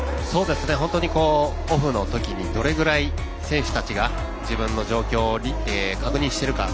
本当に、オフのときにどれぐらい、選手たちが自分の状況を確認しているか。